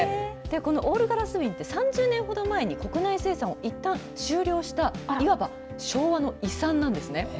オールガラス瓶って３０年ほど前に国内生産をいったん終了した昭和の遺産なんですね。